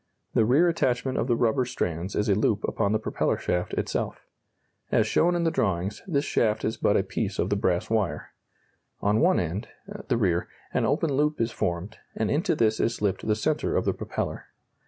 The rear attachment of the rubber strands is a loop upon the propeller shaft itself. As shown in the drawings, this shaft is but a piece of the brass wire. On one end (the rear) an open loop is formed, and into this is slipped the centre of the propeller.